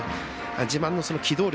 自慢の機動力